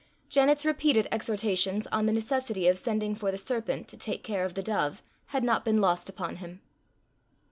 Janet's repeated exhortations on the necessity of sending for the serpent to take care of the dove, had not been lost upon him.